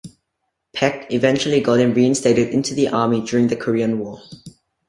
Paik eventually got him reinstated into the army during the Korean War.